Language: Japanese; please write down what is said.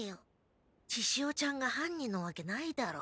チシオちゃんが犯人のわけないだろ。